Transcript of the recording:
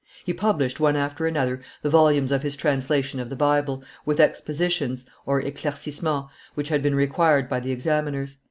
He published, one after another, the volumes of his translation of the Bible, with expositions (eclaircissements) which had been required by the examiners.